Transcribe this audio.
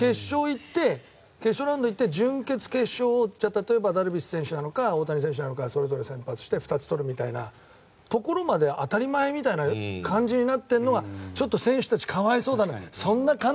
決勝ラウンドに行って準決、決勝を例えばダルビッシュ選手なのか大谷選手なのかがそれぞれ先発して２つとるみたいなところまで当たり前みたいな感じになってるのがちょっと選手たちは可哀想だなと。